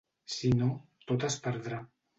Si no, tot es perdrà.